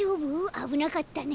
あぶなかったね。